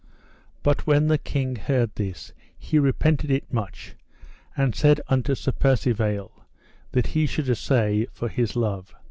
But when the king heard this he repented it much, and said unto Sir Percivale that he should assay, for his love.